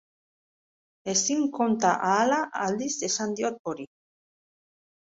Ezin konta ahala aldiz esan diot hori.